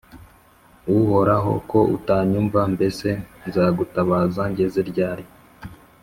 uhoraho ko utanyumva, mbese nzagutabaza ngeze ryari